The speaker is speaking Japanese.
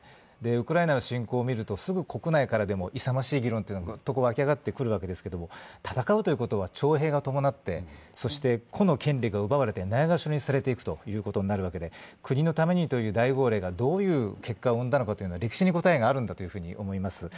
ウクライナの侵攻をみるとすぐに国内からも勇ましい議論がぐっと沸き上がってくるわけですけれども、戦うということは徴兵が伴ってそして個の権利が奪われてないがしろにされていくわけで国のためにという大号令がどういう結果を生んだのかというのは歴史に答えがあるんだと思います。